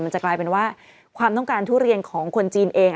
จะกลายเป็นว่าความต้องการทุเรียนของคนจีนเอง